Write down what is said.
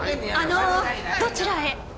あのどちらへ？